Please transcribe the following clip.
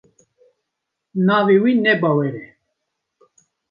Navê wî ne Bawer e.